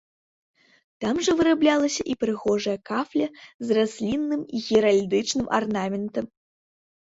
Там жа выраблялася і прыгожая кафля з раслінным і геральдычным арнаментам.